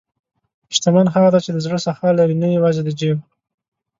شتمن هغه دی چې د زړه سخا لري، نه یوازې د جیب.